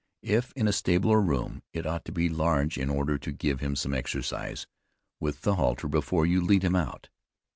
If in a stable or room, it ought to be large in order to give him some exercise with the halter before you lead him out.